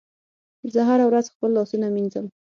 زه هره ورځ خپل لاسونه مینځم.